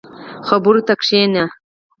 خبرو ته کښیني.